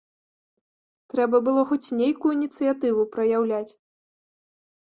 Трэба было хоць нейкую ініцыятыву праяўляць.